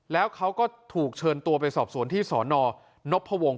แล้วเขาก็ถูกเชิญตัวไปสอบสวนที่สนนพวงศ